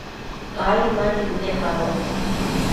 ai ma nëbi icpaboc